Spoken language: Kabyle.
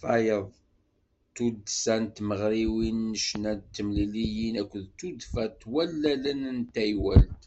Tayeḍ, tuddsa n tmeɣriwin n ccna d temliliyin akked tudfa ɣer wallalen n taywalt.